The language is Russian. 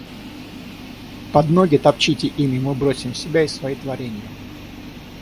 Под ноги — топчите ими — мы бросим себя и свои творенья.